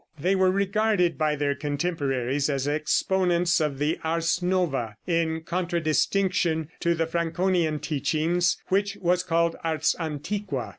They were regarded by their contemporaries as exponents of the ars nova, in contradistinction to the Franconian teaching, which was called ars antiqua.